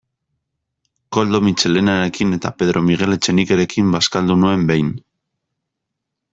Koldo Mitxelenarekin eta Pedro Miguel Etxenikerekin bazkaldu nuen behin.